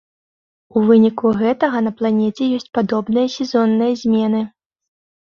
У выніку гэтага на планеце ёсць падобныя сезонныя змены.